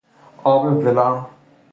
آب ولرم